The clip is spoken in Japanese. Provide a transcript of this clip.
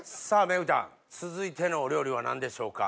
メグちゃん続いてのお料理は何でしょうか？